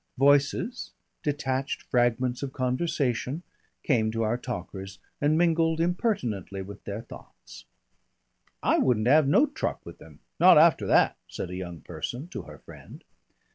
Voices, detached fragments of conversation, came to our talkers and mingled impertinently with their thoughts. "I wouldn't 'ave no truck with 'im, not after that," said a young person to her friend.